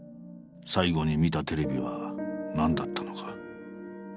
最後に見たテレビは何だったのか。